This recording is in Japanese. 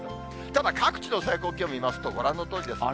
ただ各地の最高気温を見ますと、ご覧のとおりです。